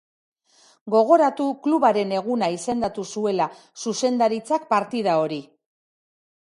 Gogoratu klubaren eguna izendatu zuela zuzendaritzak partida hori.